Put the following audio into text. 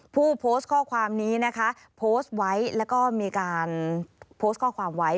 ผู้โพสต์ข้อความนี้นะคะโพสต์ไว้แล้วก็มีการโพสต์ข้อความไว้